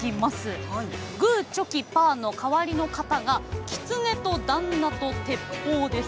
グーチョキパーの代わりの形が狐・旦那・鉄砲です。